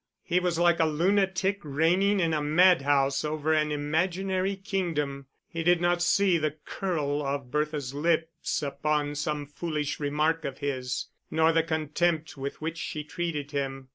He was like a lunatic reigning in a madhouse over an imaginary kingdom; he did not see the curl of Bertha's lips upon some foolish remark of his, nor the contempt with which she treated him.